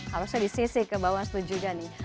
harusnya di sisi ke bawah lu juga nih